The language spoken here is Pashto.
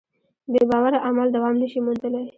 بېباوره عمل دوام نهشي موندلی.